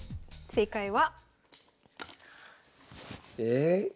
正解は？え？